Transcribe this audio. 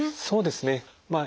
そうですね。